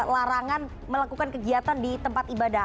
larangan melakukan kegiatan di tempat ibadah